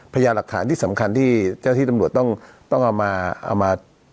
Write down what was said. พยายามหลักฐานที่สำคัญที่เจ้าที่ตำรวจต้องเอามา